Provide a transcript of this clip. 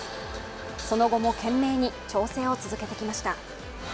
その後も懸命に調整を続けてきました。